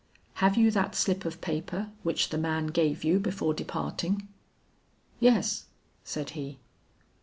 "Have you that slip of paper which the man gave you before departing?" "Yes," said he.